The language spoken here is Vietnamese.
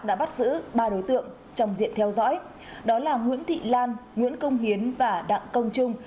đã bắt giữ ba đối tượng trong diện theo dõi đó là nguyễn thị lan nguyễn công hiến và đặng công trung